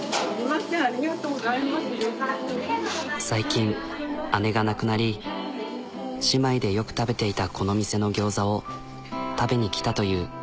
最近姉が亡くなり姉妹でよく食べていたこの店の餃子を食べに来たという。